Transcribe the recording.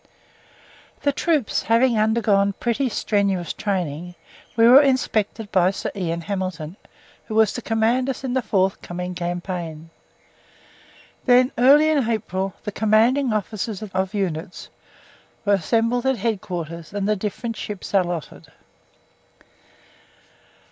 The troops having undergone pretty strenuous training, we were inspected by Sir Ian Hamilton, who was to command us in the forthcoming campaign. Then, early in April, the commanding officers of units were assembled at Headquarters and the different ships allotted.